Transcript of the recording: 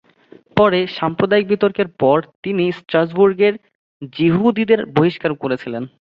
পরে, সাম্প্রদায়িক বিতর্কের পর তিনি স্ট্রাসবুর্গের যিহুদিদের বহিষ্কার করেছিলেন।